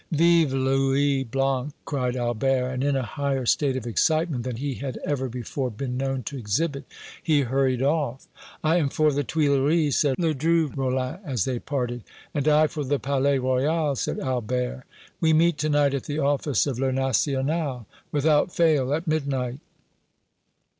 "Vive Louis Blanc!" cried Albert, and, in a higher state of excitement than he had ever before been known to exhibit, he hurried off. "I am for the Tuileries," said Ledru Rollin, as they parted. "And I for the Palais Royal," said Albert. "We meet to night at the office of 'Le National?'" "Without fail, at midnight!"